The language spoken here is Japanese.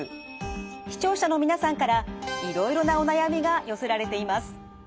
視聴者の皆さんからいろいろなお悩みが寄せられています。